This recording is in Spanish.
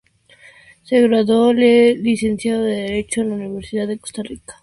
Se graduó de Licenciado en Derecho en la Universidad de Costa Rica.